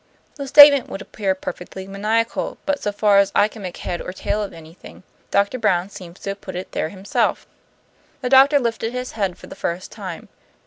The statement would appear perfectly maniacal; but so far as I can make head or tail out of anything, Doctor Brown seems to have put it there himself." The doctor lifted his head for the first time.